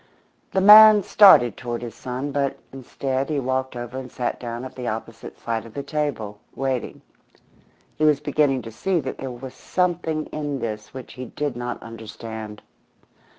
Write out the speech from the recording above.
The man started toward his son, but instead he walked over and sat down at the opposite side of the table, waiting. He was beginning to see that there was something in this which he did not understand.